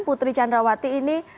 putri candrawati ini